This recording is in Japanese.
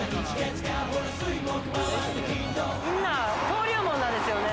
登竜門なんですよね。